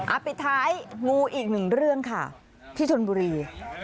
ปิดท้ายงูอีกหนึ่งเรื่องค่ะที่ชนบุรี